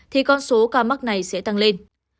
thì con số ca mắc này sẽ tăng lên